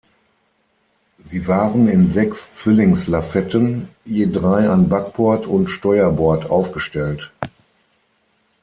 Sie waren in sechs Zwillingslafetten, je drei an Backbord und Steuerbord, aufgestellt.